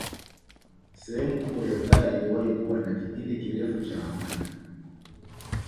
Sehemu kubwa ya Ulaya iliwahi kuwa na kipindi kirefu cha amani